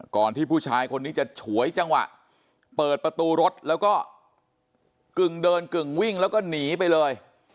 ที่ผู้ชายคนนี้จะฉวยจังหวะเปิดประตูรถแล้วก็กึ่งเดินกึ่งวิ่งแล้วก็หนีไปเลย